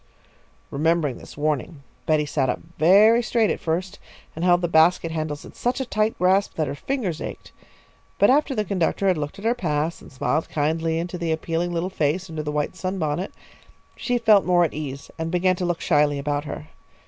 Remembering this warning, Betty sat up very straight at first, and held the basket handles in such a tight grasp that her fingers ached. But after the conductor had looked at her pass and smiled kindly into the appealing little face under the white sunbonnet, she felt more at ease and began to look shyly about her.